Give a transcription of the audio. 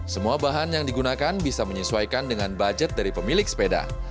semua bahan yang digunakan bisa menyesuaikan dengan budget dari pemilik sepeda